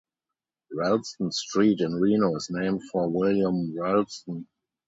Ralston Street in Reno is named for William Ralston.